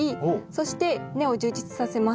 そして根を充実させます。